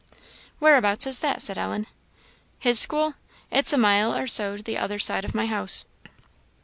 "Whereabouts is that?" said Ellen. "His school? it's a mile or so the other side of my house."